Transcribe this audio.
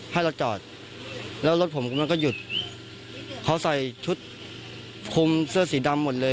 ให้เราจอดแล้วรถผมมันก็หยุดเขาใส่ชุดคุมเสื้อสีดำหมดเลย